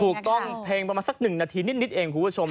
เพลงประมาณสัก๑นาทีนิดเองคุณผู้ชม